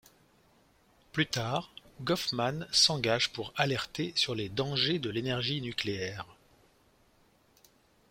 Plus tard, Gofman s'engage pour alerter sur les dangers de l'énergie nucléaire.